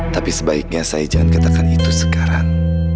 tapi sebaiknya saya jangan katakan itu sekarang